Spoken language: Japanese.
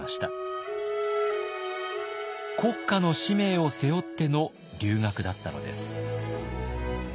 国家の使命を背負っての留学だったのです。